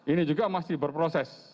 ini juga masih berproses